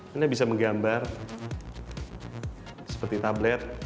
anda bisa menggambar seperti tablet